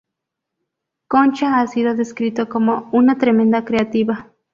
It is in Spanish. Concha ha sido descrito como "una tremenda creativa".